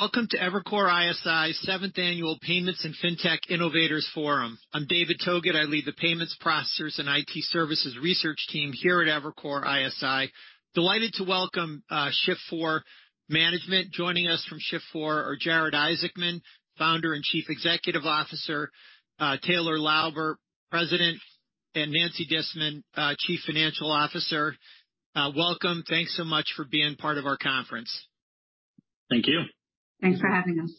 Welcome to Evercore ISI seventh Annual Payments and Fintech Innovators Forum. I'm David Togut. I lead the payments processors and IT services research team here at Evercore ISI. Delighted to welcome Shift4 Payments Management. Joining us from Shift4 Payments are Jared Isaacman, founder and chief executive officer, Taylor Lauber, president, and Nancy Disman, chief financial officer. Welcome. Thanks so much for being part of our conference. Thank you. Thanks for having us.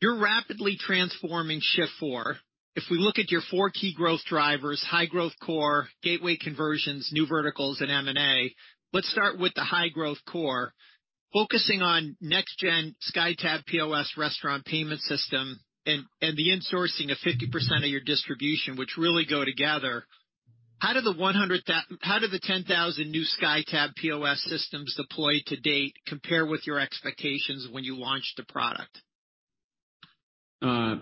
You're rapidly transforming Shift4 Payments. If we look at your four key growth drivers, high growth core, gateway conversions, new verticals, and M&A. Let's start with the high growth core. Focusing on next-gen SkyTab POS restaurant payment system and the insourcing of 50% of your distribution, which really go together. How do the 10,000 new SkyTab POS systems deployed to date compare with your expectations when you launched the product?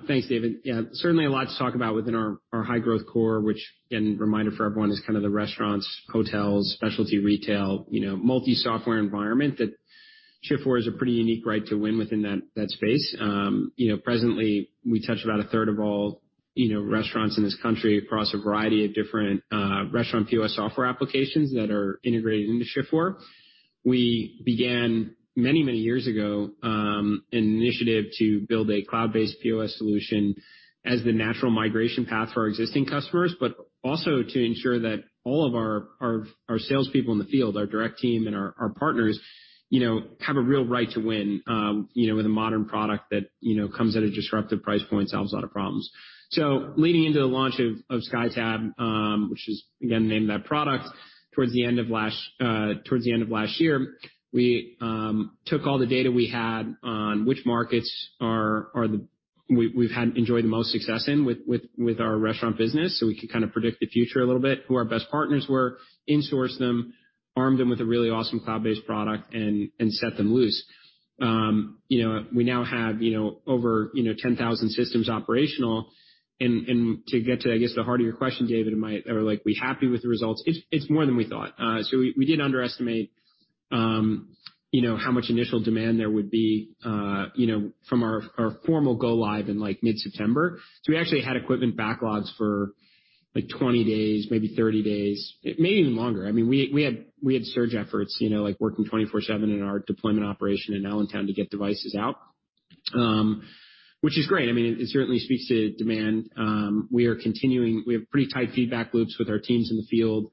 Thanks, David. Yeah, certainly a lot to talk about within our high growth core, which again, reminder for everyone, is kind of the restaurants, hotels, specialty retail, you know, multi-software environment that Shift4 Payments has a pretty unique right to win within that space. You know, presently we touch about a third of all, you know, restaurants in this country across a variety of different restaurant POS software applications that are integrated into Shift4 Payments. We began many, many years ago, an initiative to build a cloud-based POS solution as the natural migration path for our existing customers, but also to ensure that all of our salespeople in the field, our direct team and our partners, you know, have a real right to win, you know, with a modern product that, you know, comes at a disruptive price point, solves a lot of problems. Leading into the launch of SkyTab, which is again, name of that product, towards the end of last, towards the end of last year, we took all the data we had on which markets we've had enjoyed the most success in with our restaurant business, so we could kinda predict the future a little bit, who our best partners were, insource them, arm them with a really awesome cloud-based product and set them loose. You know, we now have, you know, over, you know, 10,000 systems operational. To get to, I guess, the heart of your question, David, am I or like, we happy with the results? It's more than we thought. We, we did underestimate, you know, how much initial demand there would be, you know, from our formal go live in like mid-September. We actually had equipment backlogs for like 20 days, maybe 30 days, maybe even longer. I mean, we had surge efforts, you know, like working 24/7 in our deployment operation in Allentown to get devices out, which is great. I mean, it certainly speaks to demand. We are continuing. We have pretty tight feedback loops with our teams in the field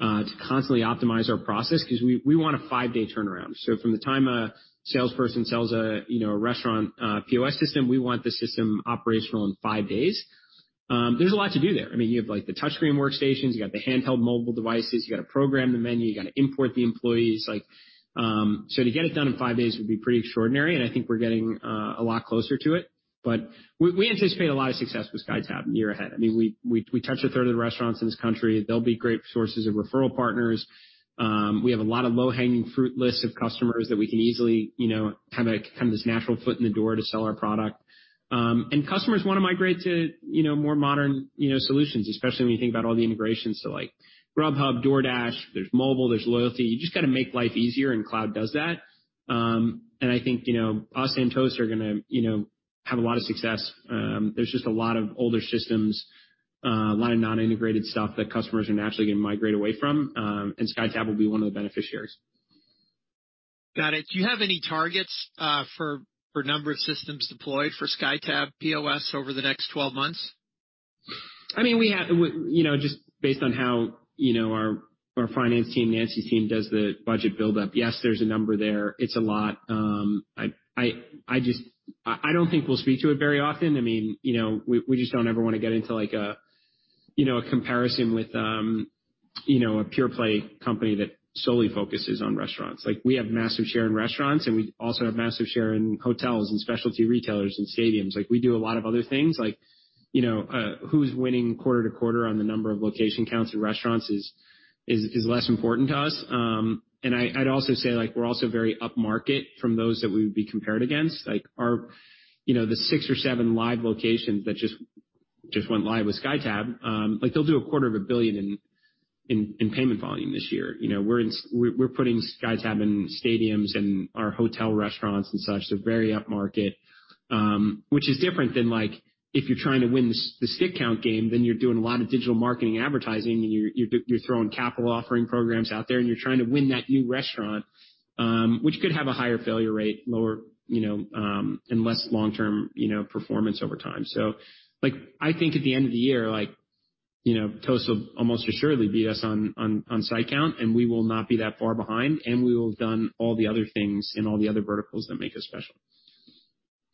to constantly optimize our process 'cause we want a five-day turnaround. From the time a salesperson sells a, you know, a restaurant, a POS system, we want the system operational in five days. There's a lot to do there. I mean, you have like the touchscreen workstations, you got the handheld mobile devices, you gotta program the menu, you gotta import the employees. Like, to get it done in five days would be pretty extraordinary, and I think we're getting a lot closer to it. We anticipate a lot of success with SkyTab in the year ahead. I mean, we touch a third of the restaurants in this country. They'll be great sources of referral partners. We have a lot of low-hanging fruit lists of customers that we can easily, you know, have this natural foot in the door to sell our product. Customers wanna migrate to, you know, more modern, you know, solutions, especially when you think about all the integrations to like Grubhub, DoorDash, there's mobile, there's loyalty. You just gotta make life easier, and cloud does that. I think, you know, us and Toast are gonna, you know, have a lot of success. There's just a lot of older systems, a lot of non-integrated stuff that customers are naturally gonna migrate away from, and SkyTab will be one of the beneficiaries. Got it. Do you have any targets, for number of systems deployed for SkyTab POS over the next 12 months? I mean, we have, you know, just based on how, you know, our finance team, Nancy's team, does the budget build up, yes, there's a number there. It's a lot. I don't think we'll speak to it very often. I mean, you know, we just don't ever wanna get into like a, you know, a comparison with, you know, a pure play company that solely focuses on restaurants. Like, we have massive share in restaurants, and we also have massive share in hotels and specialty retailers and stadiums. Like, we do a lot of other things. Like, you know, who's winning quarter to quarter on the number of location counts in restaurants is less important to us. I'd also say, like, we're also very upmarket from those that we would be compared against. Like, our, you know, the six or seven live locations that just went live with SkyTab, like they'll do a quarter of a billion in payment volume this year. You know, we're we're putting SkyTab in stadiums and our hotel restaurants and such. They're very upmarket, which is different than like if you're trying to win the stick count game, then you're doing a lot of digital marketing advertising and you're throwing capital offering programs out there, and you're trying to win that new restaurant, which could have a higher failure rate, lower, you know, and less long-term, you know, performance over time. Like, I think at the end of the year, like, you know, Toast will almost assuredly beat us on site count, and we will not be that far behind, and we will have done all the other things in all the other verticals that make us special.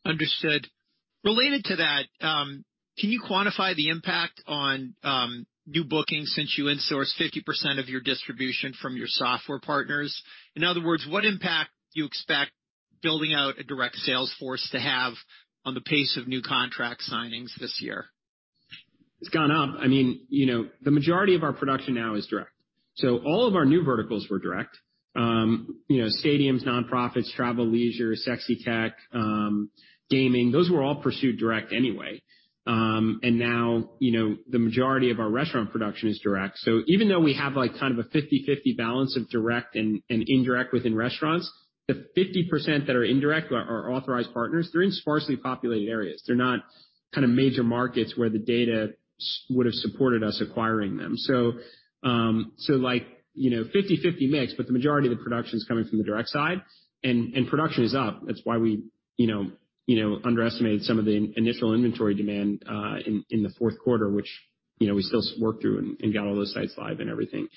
Understood. Related to that, can you quantify the impact on new bookings since you insourced 50% of your distribution from your software partners? In other words, what impact do you expect building out a direct sales force to have on the pace of new contract signings this year? It's gone up. I mean, you know, the majority of our production now is direct. So all of our new verticals were direct. You know, stadiums, nonprofits, travel, leisure, SaaS tech, gaming, those were all pursued direct anyway. Now, you know, the majority of our restaurant production is direct. Even though we have, like, kind of a 50/50 balance of direct and indirect within restaurants, the 50% that are indirect or authorized partners, they're in sparsely populated areas. They're not kind of major markets where the data would have supported us acquiring them. Like, you know, 50/50 mix, but the majority of the production is coming from the direct side, and production is up. That's why we, you know, underestimated some of the initial inventory demand in the fourth quarter, which, you know, we still worked through and got all those sites live and everything.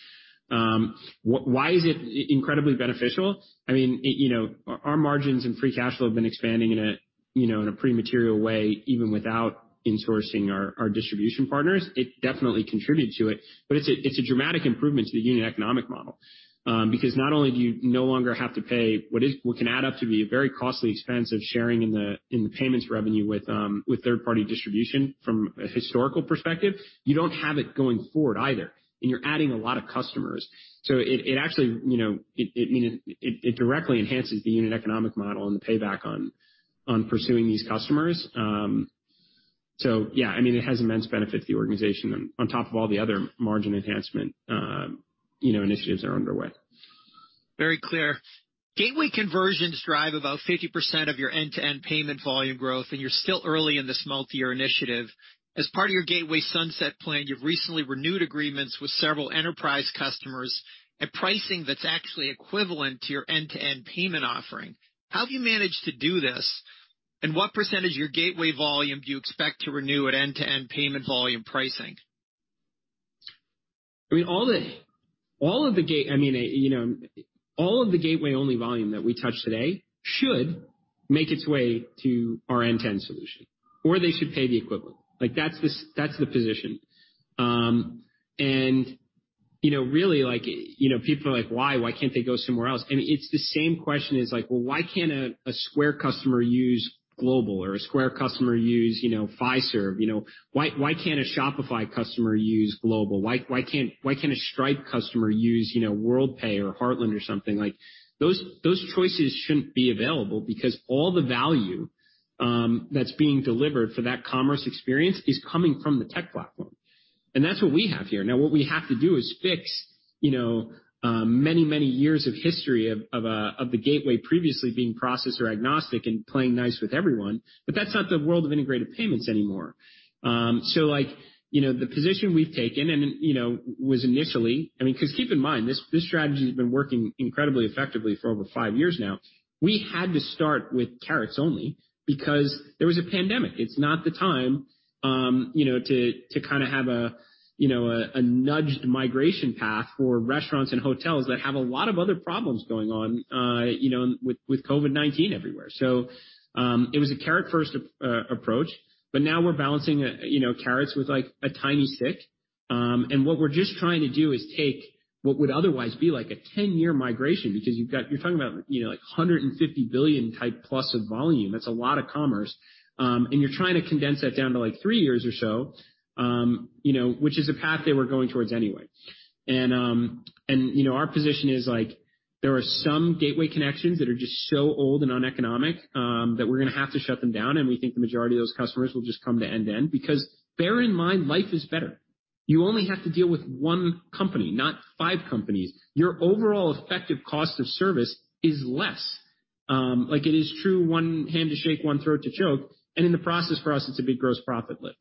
Why is it incredibly beneficial? I mean, you know, our margins and free cash flow have been expanding in a, you know, in a pretty material way, even without insourcing our distribution partners. It definitely contributed to it. It's a, it's a dramatic improvement to the unit economic model, because not only do you no longer have to pay what can add up to be a very costly expense of sharing in the payments revenue with third-party distribution from a historical perspective. You don't have it going forward either, and you're adding a lot of customers. It actually, you know, I mean, it directly enhances the unit economic model and the payback on pursuing these customers. Yeah, I mean, it has immense benefit to the organization on top of all the other margin enhancement, you know, initiatives that are underway. Very clear. Gateway conversions drive about 50% of your end-to-end payment volume growth, and you're still early in this multi-year initiative. As part of your Gateway Sunset plan, you've recently renewed agreements with several enterprise customers at pricing that's actually equivalent to your end-to-end payment offering. How have you managed to do this, and what percentage of your gateway volume do you expect to renew at end-to-end payment volume pricing? I mean, all of the gateway-only volume that we touch today should make its way to our end-to-end solution, or they should pay the equivalent. Like, that's the position. You know, really, like, you know, people are like, "Why? Why can't they go somewhere else?" It's the same question as, like, well, why can't a Square customer use Global or a Square customer use, you know, Fiserv? You know, why can't a Shopify customer use Global? Why can't a Stripe customer use, you know, Worldpay or Heartland or something? Like, those choices shouldn't be available because all the value that's being delivered for that commerce experience is coming from the tech platform. That's what we have here. What we have to do is fix, you know, many, many years of history of the gateway previously being processor-agnostic and playing nice with everyone. That's not the world of integrated payments anymore. Like, you know, the position we've taken and, you know, keep in mind, this strategy has been working incredibly effectively for over five years now. We had to start with carrots only because there was a pandemic. It's not the time, you know, to kinda have a nudged migration path for restaurants and hotels that have a lot of other problems going on, you know, with COVID-19 everywhere. It was a carrot first approach, but now we're balancing, you know, carrots with, like, a tiny stick. What we're just trying to do is take what would otherwise be like a 10-year migration because you're talking about, you know, like $150 billion type plus of volume. That's a lot of commerce. You're trying to condense that down to, like, three years or so, you know, which is a path that we're going towards anyway. Our position is like there are some gateway connections that are just so old and uneconomic that we're gonna have to shut them down, and we think the majority of those customers will just come to end-to-end. Bear in mind, life is better. You only have to deal with one company, not five companies. Your overall effective cost of service is less. Like it is true, one hand to shake, one throat to choke, and in the process for us, it's a big gross profit lift.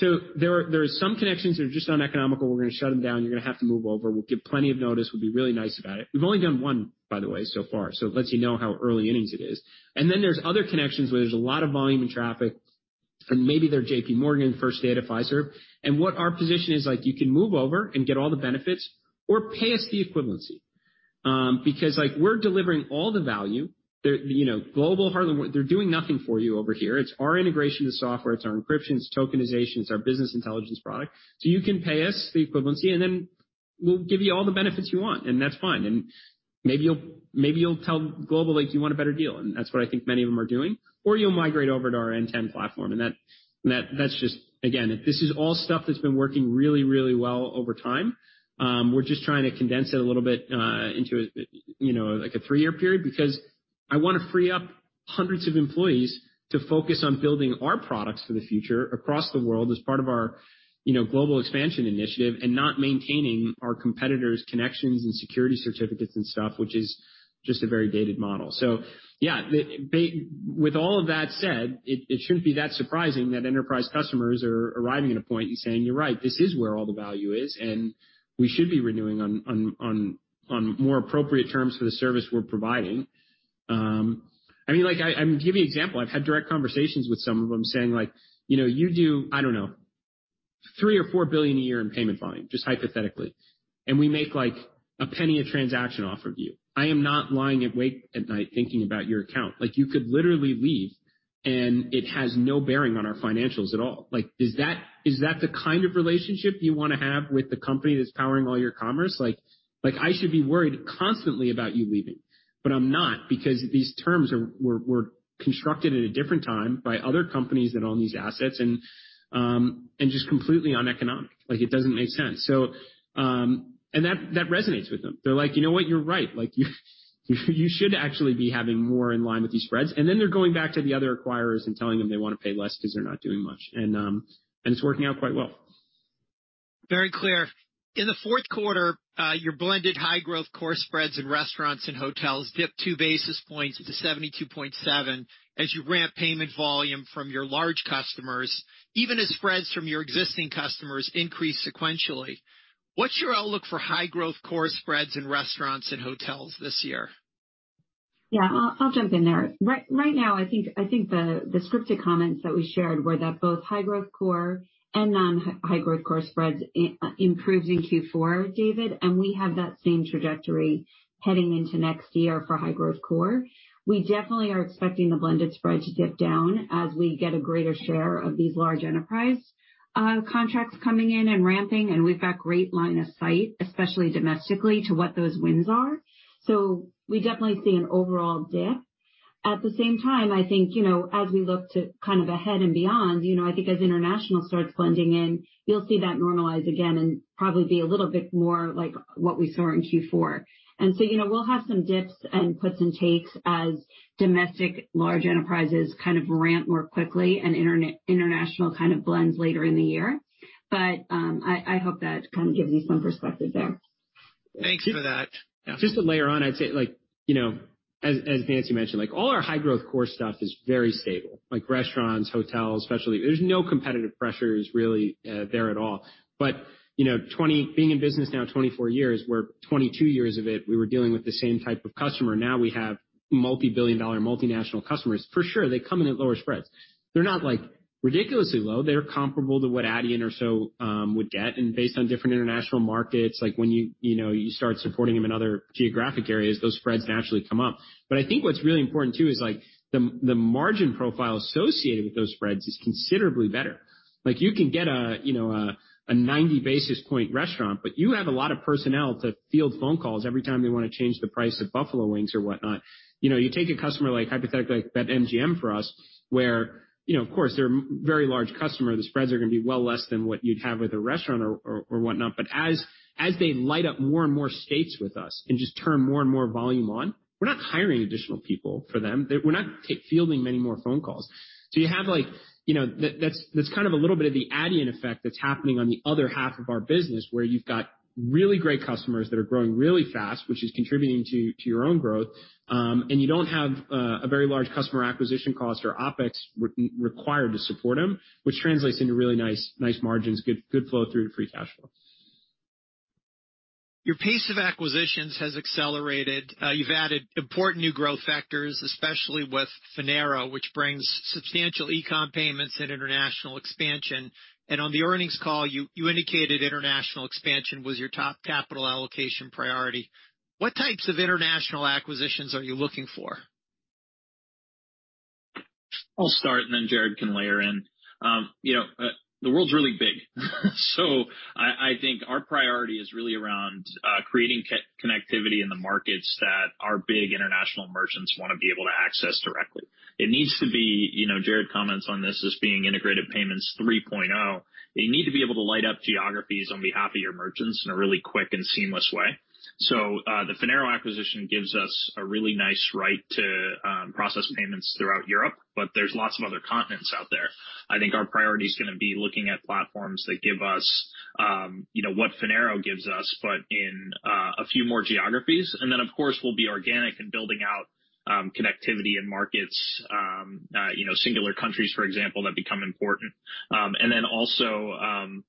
There, there are some connections that are just uneconomical. We're gonna shut them down. You're gonna have to move over. We'll give plenty of notice. We'll be really nice about it. We've only done one, by the way, so far, so it lets you know how early innings it is. There's other connections where there's a lot of volume and traffic, and maybe they're JPMorgan, First Data, Fiserv. What our position is like, you can move over and get all the benefits or pay us the equivalency. Because, like, we're delivering all the value. They're, you know, Global, Heartland, they're doing nothing for you over here. It's our integration, the software, it's our encryption, it's tokenization, it's our business intelligence product. You can pay us the equivalency, and then we'll give you all the benefits you want, and that's fine. Maybe you'll tell Global Payments, like, you want a better deal, and that's what I think many of them are doing. You'll migrate over to our end-to-end platform, and that's just... Again, this is all stuff that's been working really, really well over time. We're just trying to condense it a little bit, into, you know, like a three-year period because I wanna free up hundreds of employees to focus on building our products for the future across the world as part of our, you know, global expansion initiative and not maintaining our competitors' connections and security certificates and stuff, which is just a very dated model. With all of that said, it shouldn't be that surprising that enterprise customers are arriving at a point and saying, "You're right, this is where all the value is, and we should be renewing on more appropriate terms for the service we're providing." I mean, like I'll give you an example. I've had direct conversations with some of them saying, like, you know, you do, I don't know, $3 billion or $4 billion a year in payment volume, just hypothetically. We make, like, $0.01 a transaction off of you. I am not lying awake at night thinking about your account. Like, you could literally leave, and it has no bearing on our financials at all. Is that the kind of relationship you wanna have with the company that's powering all your commerce? Like I should be worried constantly about you leaving, but I'm not because these terms were constructed at a different time by other companies that own these assets and just completely uneconomic. Like, it doesn't make sense. That resonates with them. They're like, "You know what? You're right. Like, you should actually be having more in line with these spreads." Then they're going back to the other acquirers and telling them they wanna pay less because they're not doing much. It's working out quite well. Very clear. In the fourth quarter, your blended high-growth core spreads in restaurants and hotels dipped 2 basis points to 72.7 as you ramp payment volume from your large customers, even as spreads from your existing customers increased sequentially. What's your outlook for high-growth core spreads in restaurants and hotels this year? Yeah, I'll jump in there. Right now, I think the scripted comments that we shared were that both high-growth core and non-high growth core spreads improved in Q4, David. We have that same trajectory heading into next year for high-growth core. We definitely are expecting the blended spread to dip down as we get a greater share of these large enterprise contracts coming in and ramping, and we've got great line of sight, especially domestically, to what those wins are. We definitely see an overall dip. At the same time, I think, you know, as we look to kind of ahead and beyond, you know, I think as international starts blending in, you'll see that normalize again and probably be a little bit more like what we saw in Q4. You know, we'll have some dips and puts and takes as domestic large enterprises kind of ramp more quickly and inter-international kind of blends later in the year. I hope that kind of gives you some perspective there. Thanks for that. Just to layer on, I'd say, like, you know, as Nancy mentioned, like, all our high-growth core stuff is very stable, like restaurants, hotels especially. There's no competitive pressures really there at all. You know, being in business now 24 years, where 22 years of it, we were dealing with the same type of customer. Now we have multi-billion-dollar multinational customers. For sure, they come in at lower spreads. They're not, like, ridiculously low. They're comparable to what Adyen or so would get. Based on different international markets, like when you know, start supporting them in other geographic areas, those spreads naturally come up. I think what's really important too is, like, the margin profile associated with those spreads is considerably better. Like, you can get a, you know, a 90 basis points restaurant, but you have a lot of personnel to field phone calls every time they wanna change the price of buffalo wings or whatnot. You know, you take a customer like hypothetically like that MGM for us, where, you know, of course they're a very large customer, the spreads are gonna be well less than what you'd have with a restaurant or whatnot. As they light up more and more states with us and just turn more and more volume on, we're not hiring additional people for them. We're not fielding many more phone calls. You have like, you know, that's kind of a little bit of the Adyen effect that's happening on the other half of our business, where you've got really great customers that are growing really fast, which is contributing to your own growth, and you don't have a very large customer acquisition cost or OpEx required to support them, which translates into really nice margins, good flow through to free cash flow. Your pace of acquisitions has accelerated. You've added important new growth vectors, especially with Finaro, which brings substantial e-commerce payments and international expansion. On the earnings call, you indicated international expansion was your top capital allocation priority. What types of international acquisitions are you looking for? I'll start, and then Jared can layer in. You know, the world's really big. I think our priority is really around creating connectivity in the markets that our big international merchants wanna be able to access directly. It needs to be, you know, Jared comments on this as being Integrated Payments 3.0. They need to be able to light up geographies on behalf of your merchants in a really quick and seamless way. The Finaro acquisition gives us a really nice right to process payments throughout Europe, but there's lots of other continents out there. I think our priority is gonna be looking at platforms that give us, you know, what Finaro gives us, but in a few more geographies. Then, of course, we'll be organic in building out connectivity in markets, you know, singular countries, for example, that become important. Then also,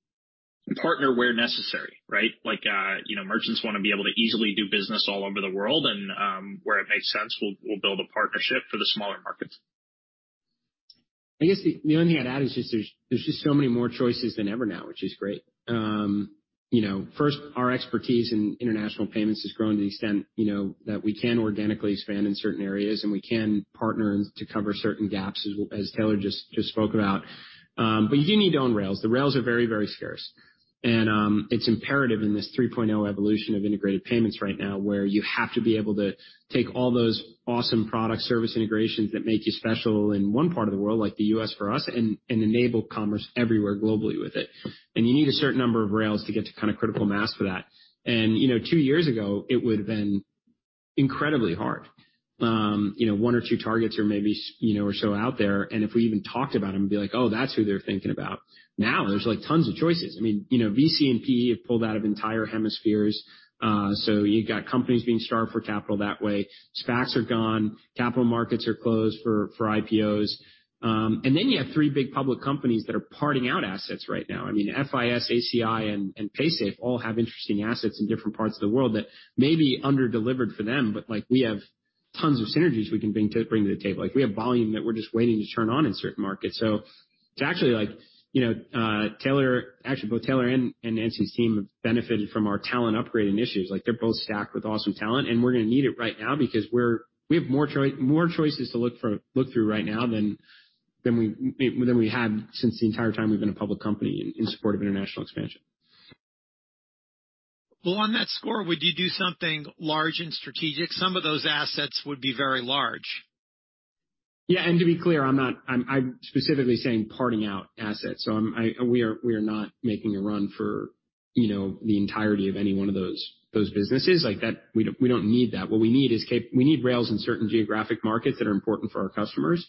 partner where necessary, right? Like, you know, merchants wanna be able to easily do business all over the world and where it makes sense, we'll build a partnership for the smaller markets. I guess the only thing I'd add is just there's just so many more choices than ever now, which is great. You know, first, our expertise in international payments has grown to the extent, you know, that we can organically expand in certain areas, and we can partner to cover certain gaps, as Taylor just spoke about. You do need to own rails. The rails are very scarce. It's imperative in this 3.0 evolution of Integrated Payments right now, where you have to be able to take all those awesome product service integrations that make you special in one part of the world, like the U.S. for us, and enable commerce everywhere globally with it. You need a certain number of rails to get to kinda critical mass for that. You know, two years ago, it would've been incredibly hard. You know, one or two targets or maybe you know, or so out there, and if we even talked about them, it'd be like, "Oh, that's who they're thinking about." Now, there's like tons of choices. I mean, you know, VC and PE have pulled out of entire hemispheres. You got companies being starved for capital that way. SPACs are gone. Capital markets are closed for IPOs. You have three big public companies that are parting out assets right now. I mean, FIS, ACI, and Paysafe all have interesting assets in different parts of the world that may be under-delivered for them, but, like, we have tons of synergies we can bring to the table. Like, we have volume that we're just waiting to turn on in certain markets. It's actually like, you know, Actually, both Taylor and Nancy's team have benefited from our talent upgrading initiatives. Like, they're both stacked with awesome talent, and we're gonna need it right now because we have more choices to look through right now than we had since the entire time we've been a public company in support of international expansion. Well, on that score, would you do something large and strategic? Some of those assets would be very large. To be clear, I'm specifically saying parting out assets. We are not making a run for, you know, the entirety of any one of those businesses. Like, we don't need that. What we need is rails in certain geographic markets that are important for our customers.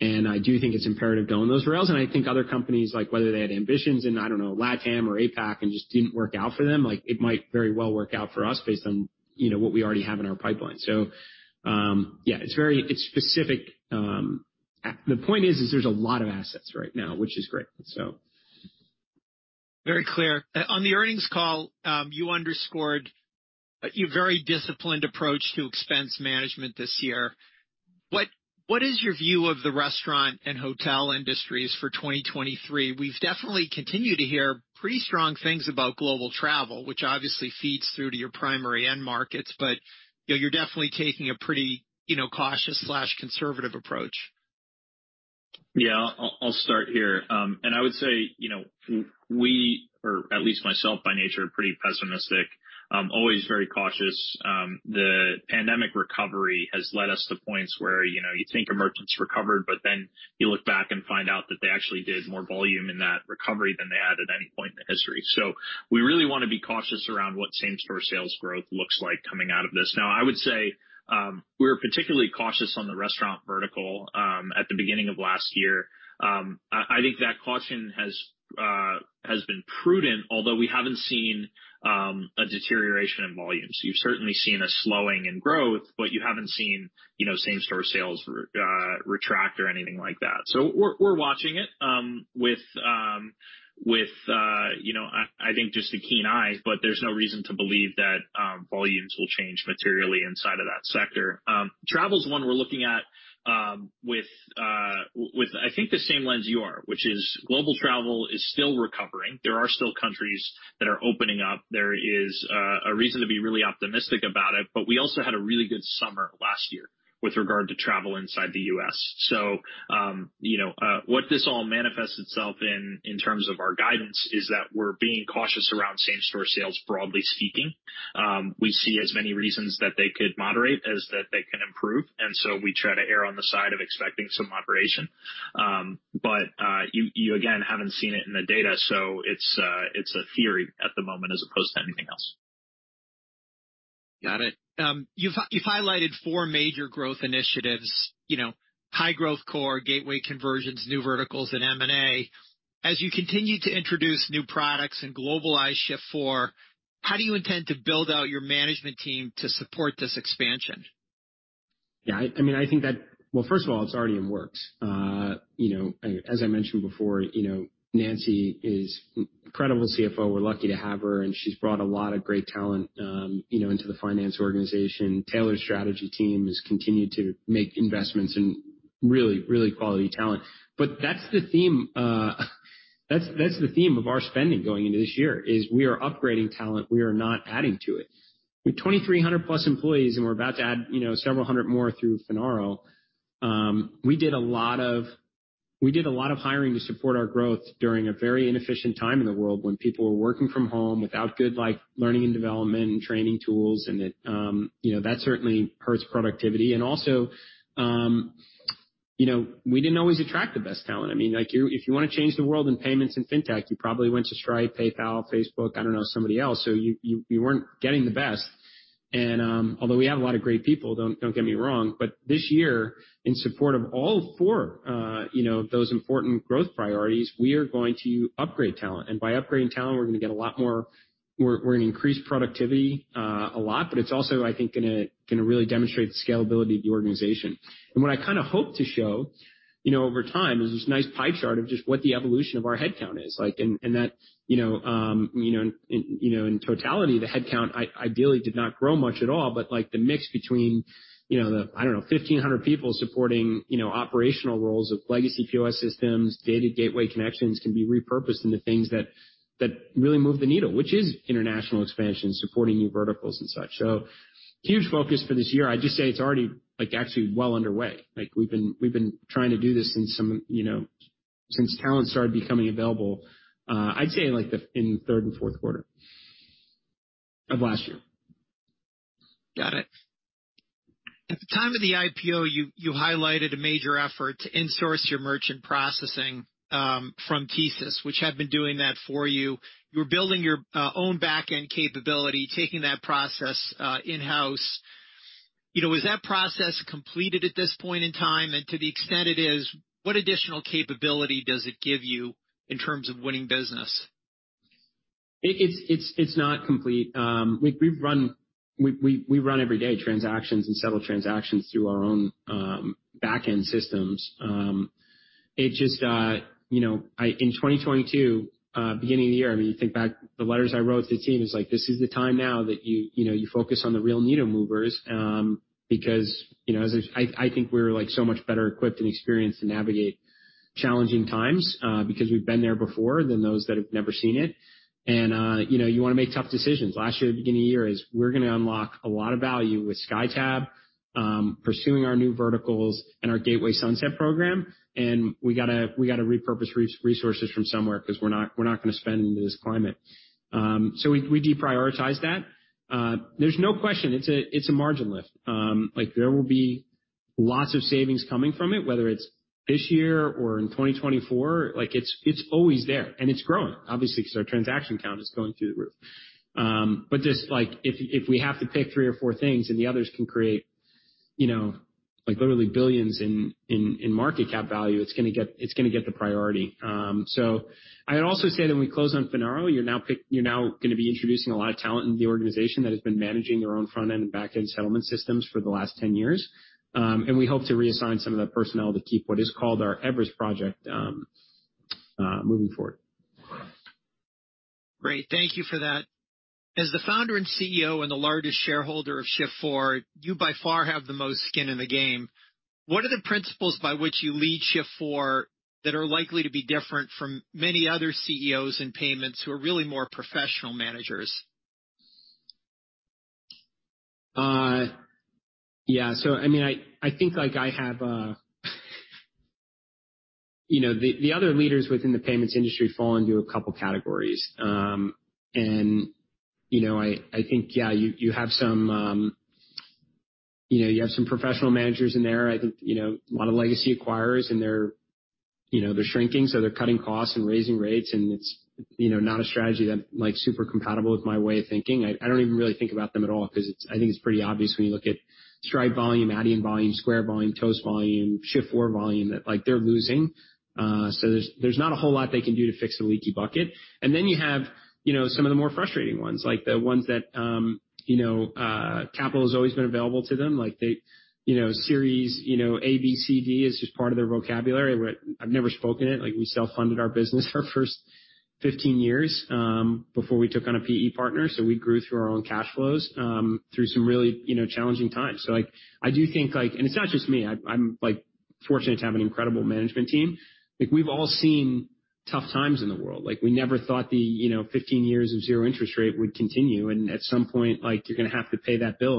I do think it's imperative to own those rails. I think other companies, like, whether they had ambitions in, I don't know, LATAM or APAC and just didn't work out for them, like, it might very well work out for us based on, you know, what we already have in our pipeline. The point is, there's a lot of assets right now, which is great. Very clear. On the earnings call, you underscored your very disciplined approach to expense management this year. What is your view of the restaurant and hotel industries for 2023? We've definitely continued to hear pretty strong things about global travel, which obviously feeds through to your primary end markets. You know, you're definitely taking a pretty, you know, cautious/conservative approach. Yeah. I'll start here. I would say, you know, we or at least myself by nature, are pretty pessimistic, always very cautious. The pandemic recovery has led us to points where, you know, you think merchants recovered. You look back and find out that they actually did more volume in that recovery than they had at any point in the history. We really wanna be cautious around what same-store sales growth looks like coming out of this. I would say, we were particularly cautious on the restaurant vertical at the beginning of last year. I think that caution has been prudent, although we haven't seen a deterioration in volume. You've certainly seen a slowing in growth. You haven't seen, you know, same-store sales retract or anything like that. We're watching it, with, you know, I think just a keen eye, but there's no reason to believe that volumes will change materially inside of that sector. Travel's one we're looking at, with I think the same lens you are, which is global travel is still recovering. There are still countries that are opening up. There is a reason to be really optimistic about it, but we also had a really good summer last year with regard to travel inside the U.S. You know, what this all manifests itself in terms of our guidance is that we're being cautious around same-store sales, broadly speaking. We see as many reasons that they could moderate as that they can improve, and so we try to err on the side of expecting some moderation. You again haven't seen it in the data. It's a theory at the moment as opposed to anything else. Got it. you've highlighted four major growth initiatives, you know, high-growth core, gateway conversions, new verticals, and M&A. As you continue to introduce new products and globalize Shift4, how do you intend to build out your management team to support this expansion? Yeah. I mean, I think that, well, first of all, it's already in the works. You know, as I mentioned before, you know, Nancy is an incredible CFO. We're lucky to have her, and she's brought a lot of great talent, you know, into the finance organization. Taylor's strategy team has continued to make investments in really, really quality talent. That's the theme of our spending going into this year, is we are upgrading talent. We are not adding to it. With 2,300+ employees, and we're about to add, you know, several hundred more through Finaro, we did a lot of, we did a lot of hiring to support our growth during a very inefficient time in the world when people were working from home without good, like, learning and development and training tools and it, you know, that certainly hurts productivity. Also, you know, we didn't always attract the best talent. I mean, like, if you wanna change the world in payments and fintech, you probably went to Stripe, PayPal, Facebook, I don't know, somebody else. You weren't getting the best. Although we have a lot of great people, don't get me wrong, but this year, in support of all four, you know, those important growth priorities, we are going to upgrade talent. By upgrading talent, we're gonna get a lot more, we're gonna increase productivity a lot, but it's also, I think gonna really demonstrate the scalability of the organization. What I kinda hope to show, you know, over time, is this nice pie chart of just what the evolution of our headcount is. Like, and that, you know, in totality, the headcount ideally did not grow much at all, but, like, the mix between, you know, the, I don't know, 1,500 people supporting, you know, operational roles of legacy POS systems, data gateway connections can be repurposed into things that really move the needle, which is international expansion, supporting new verticals and such. Huge focus for this year. I'd just say it's already, like, actually well underway. Like, we've been trying to do this since some of, you know, since talent started becoming available, I'd say in, like, in the third and fourth quarter of last year. Got it. At the time of the IPO, you highlighted a major effort to insource your merchant processing, from TSYS, which had been doing that for you. You were building your own backend capability, taking that process in-house. You know, is that process completed at this point in time? To the extent it is, what additional capability does it give you in terms of winning business? It's not complete. We run every day transactions and settle transactions through our own backend systems. It just, you know, In 2022, beginning of the year, I mean, you think back, the letters I wrote to the team is like, "This is the time now that you know, you focus on the real needle movers," because, you know, I think we're, like, so much better equipped and experienced to navigate challenging times, because we've been there before than those that have never seen it. You know, you wanna make tough decisions. Last year, at the beginning of the year, is we're gonna unlock a lot of value with SkyTab, pursuing our new verticals and our Gateway Sunset program, and we gotta repurpose resources from somewhere 'cause we're not gonna spend in this climate. We deprioritize that. There's no question it's a margin lift. Like, there will be lots of savings coming from it, whether it's this year or in 2024. Like, it's always there, and it's growing, obviously, 'cause our transaction count is going through the roof. Just, like, if we have to pick three or four things and the others can create, you know, like literally billions in market cap value, it's gonna get the priority. I would also say that when we close on Finaro, you're now gonna be introducing a lot of talent in the organization that has been managing their own front-end and back-end settlement systems for the last 10 years. We hope to reassign some of that personnel to keep what is called our Everest project, moving forward. Great. Thank you for that. As the founder and CEO and the largest shareholder of Shift4, you by far have the most skin in the game. What are the principles by which you lead Shift4 that are likely to be different from many other CEOs in payments who are really more professional managers? Yeah. I mean, I think, like I have, you know, the other leaders within the payments industry fall into a couple categories. You know, I think, yeah, you have some, you know, you have some professional managers in there. I think, you know, a lot of legacy acquirers, and they're, you know, they're shrinking, so they're cutting costs and raising rates, and it's, you know, not a strategy that's, like, super compatible with my way of thinking. I don't even really think about them at all because I think it's pretty obvious when you look at Stripe volume, Adyen volume, Square volume, Toast volume, Shift4 volume that, like, they're losing. There's not a whole lot they can do to fix the leaky bucket. Then you have, you know, some of the more frustrating ones, like the ones that, you know, capital has always been available to them. Like they, you know, series, you know, A, B, C, D is just part of their vocabulary. Where I've never spoken it. Like, we self-funded our business our first 15 years, before we took on a PE partner. We grew through our own cash flows, through some really, you know, challenging times. Like, I do think, like. It's not just me. I'm, like, fortunate to have an incredible management team. Like, we've all seen tough times in the world. Like, we never thought the, you know, 15 years of zero interest rate would continue. At some point, like, you're gonna have to pay that bill.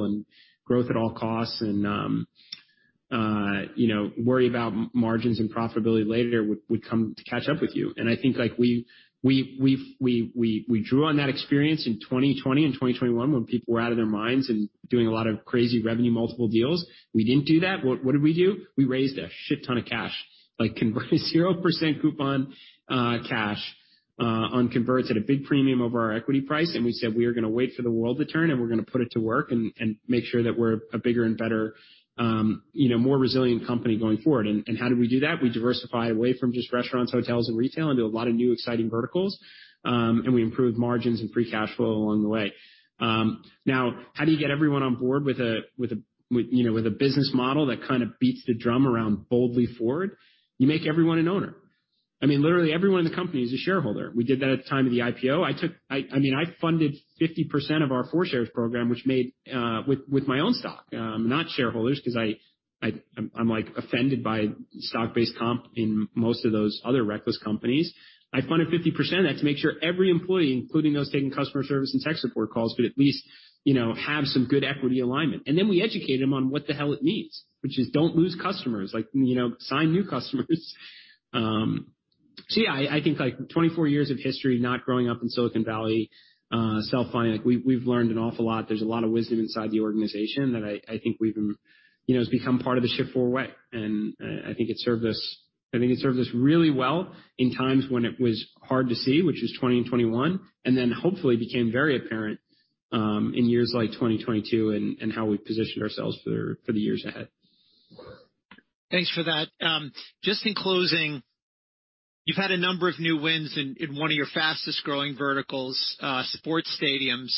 Growth at all costs and, you know, worry about margins and profitability later would come to catch up with you. I think, like, we've drew on that experience in 2020 and 2021 when people were out of their minds and doing a lot of crazy revenue multiple deals. We didn't do that. What did we do? We raised a ton of cash. Like, convert 0% coupon, cash on converts at a big premium over our equity price, and we said, "We are gonna wait for the world to turn, and we're gonna put it to work and make sure that we're a bigger and better, you know, more resilient company going forward." How do we do that? We diversify away from just restaurants, hotels and retail into a lot of new exciting verticals, and we improve margins and free cash flow along the way. How do you get everyone on board with a business model that kinda beats the drum around boldly forward? You make everyone an owner. I mean, literally everyone in the company is a shareholder. We did that at the time of the IPO. I took... I mean, I funded 50% of our FOUR Shares program, which made with my own stock, not shareholders, 'cause I'm, like, offended by stock-based comp in most of those other reckless companies. I funded 50% of that to make sure every employee, including those taking customer service and tech support calls, could at least, you know, have some good equity alignment. Then we educate them on what the hell it means, which is don't lose customers. Like, you know, sign new customers. Yeah, I think, like, 24 years of history, not growing up in Silicon Valley, self-funding, like, we've learned an awful lot. There's a lot of wisdom inside the organization that I think we've been, you know, has become part of the Shift4 way. I think it served us really well in times when it was hard to see, which was 2020 and 2021, then hopefully became very apparent in years like 2022 and how we positioned ourselves for the years ahead. Thanks for that. Just in closing, you've had a number of new wins in one of your fastest-growing verticals, sports stadiums.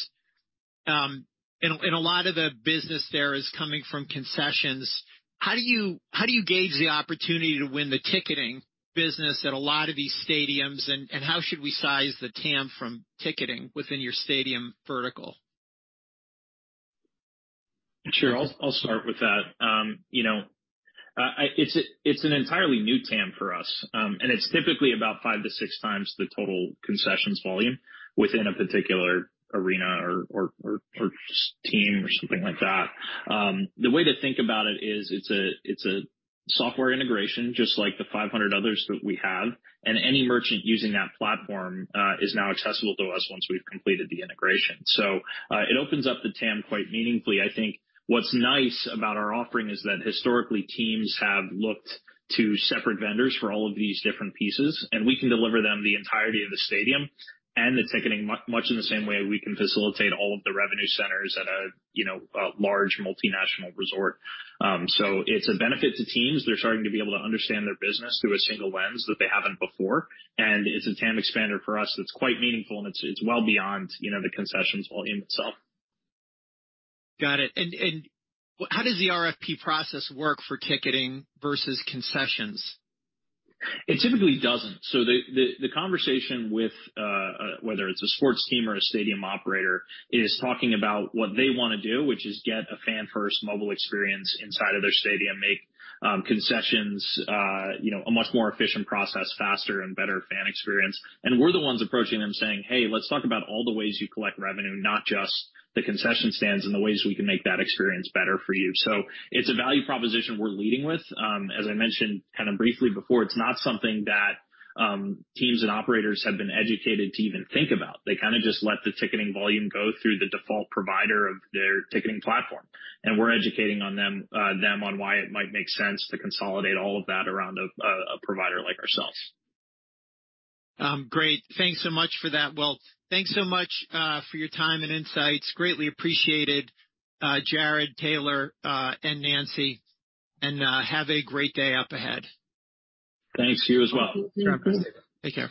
A lot of the business there is coming from concessions. How do you gauge the opportunity to win the ticketing business at a lot of these stadiums? How should we size the TAM from ticketing within your stadium vertical? Sure. I'll start with that. you know, It's a, it's an entirely new TAM for us. It's typically about 5-6x the total concessions volume within a particular arena or team or something like that. The way to think about it is, it's a, it's a software integration, just like the 500 others that we have. Any merchant using that platform is now accessible to us once we've completed the integration. It opens up the TAM quite meaningfully. I think what's nice about our offering is that historically, teams have looked to separate vendors for all of these different pieces, and we can deliver them the entirety of the stadium and the ticketing much in the same way we can facilitate all of the revenue centers at a, you know, a large multinational resort. It's a benefit to teams. They're starting to be able to understand their business through a single lens that they haven't before, and it's a TAM expander for us that's quite meaningful, and it's well beyond, you know, the concessions volume itself. Got it. How does the RFP process work for ticketing versus concessions? It typically doesn't. The conversation with whether it's a sports team or a stadium operator, is talking about what they wanna do, which is get a fan-first mobile experience inside of their stadium, make concessions, you know, a much more efficient process, faster and better fan experience. We're the ones approaching them saying, "Hey, let's talk about all the ways you collect revenue, not just the concession stands and the ways we can make that experience better for you." It's a value proposition we're leading with. As I mentioned kind of briefly before, it's not something that teams and operators have been educated to even think about. They kinda just let the ticketing volume go through the default provider of their ticketing platform, and we're educating on them on why it might make sense to consolidate all of that around a provider like ourselves. Great. Thanks so much for that. Well, thanks so much for your time and insights. Greatly appreciated, Jared, Taylor, and Nancy. Have a great day up ahead. Thanks. You as well. Take care.